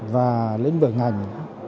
và lĩnh vực ngành